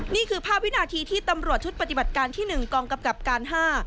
นี่คือภาพวินาทีที่ตำรวจชุดปฏิบัติการที่๑กองกำกับการ๕